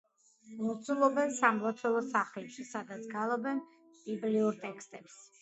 ლოცულობენ სამლოცველო სახლებში, სადაც გალობენ ბიბლიურ ტექსტებს.